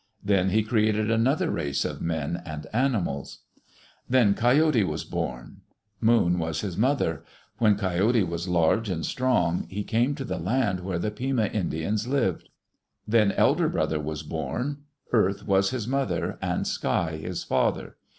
Then he created another race of men and animals. Then Coyote was born. Moon was his mother. When Coyote was large and strong he came to the land where the Pima Indians lived. Then Elder Brother was born. Earth was his mother, and Sky his father.